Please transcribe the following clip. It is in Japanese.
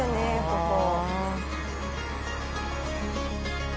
ここ。